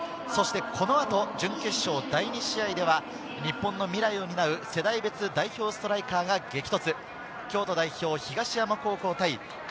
この後、準決勝第２試合では、日本の未来を担う世代別代表ストライカーが激突。